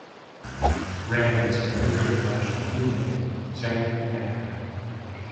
Ren is married to her national teammate Zhang Yan.